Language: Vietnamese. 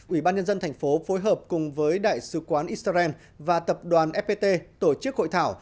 ủy ban nhân dân thành phố phối hợp cùng với đại sứ quán israel và tập đoàn fpt tổ chức hội thảo